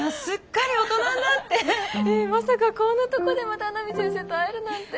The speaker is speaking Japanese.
まさかこんなとこでまた阿南先生と会えるなんて。